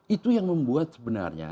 itu yang membuat sebenarnya